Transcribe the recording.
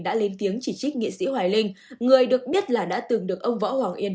đã lên tiếng chỉ trích nghệ sĩ hoài linh người được biết là đã từng được ông võ hoàng yên